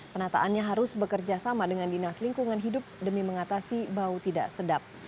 penataannya harus bekerja sama dengan dinas lingkungan hidup demi mengatasi bau tidak sedap